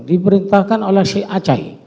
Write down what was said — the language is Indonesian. diperintahkan oleh si acay